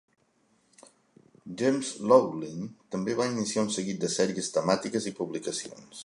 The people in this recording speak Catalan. James Laughlin també va iniciar un seguit de sèries temàtiques i publicacions.